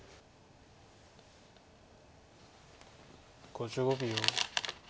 ５５秒。